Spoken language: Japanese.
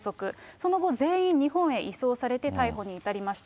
その後、全員、日本へ移送されて、逮捕に至りました。